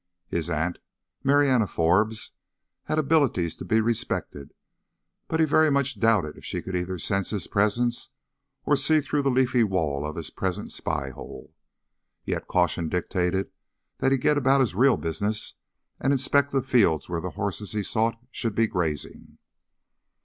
His aunt, Marianna Forbes, had abilities to be respected, but he very much doubted if she could either sense his presence or see through the leafy wall of his present spy hole. Yet caution dictated that he get about his real business and inspect the fields where the horses he sought should be grazing.